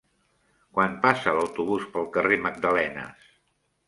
Quan passa l'autobús pel carrer Magdalenes?